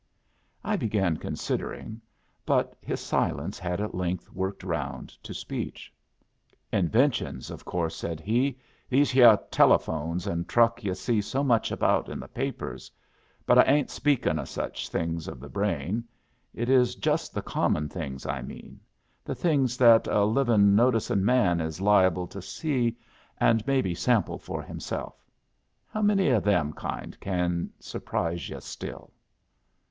I began considering; but his silence had at length worked round to speech. "Inventions, of course," said he, "these hyeh telephones an' truck yu' see so much about in the papers but I ain't speaking o' such things of the brain. It is just the common things I mean. The things that a livin', noticin' man is liable to see and maybe sample for himself. How many o' them kind can surprise yu' still?"